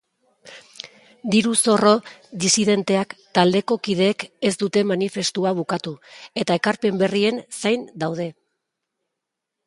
Diru-zorro disidenteak taldeko kideek ez dute manifestua bukatu eta ekarpen berrien zain daude.